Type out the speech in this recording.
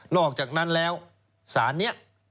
อกจากนั้นแล้วสารนี้